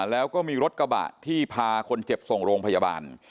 แล้วก็มีรถกระบะที่พาคนเจ็บส่งโรงพยาบาล